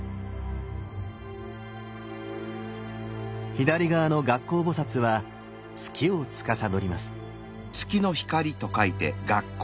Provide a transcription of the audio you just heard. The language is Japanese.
左側の月光菩は月をつかさどります。